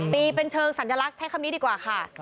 ตีเป็นเชิงสัญลักษณ์ใช้คำนี้ดีกว่าค่ะ